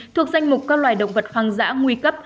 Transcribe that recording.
thuộc danh mục các loài động vật hoang dã nguy cấp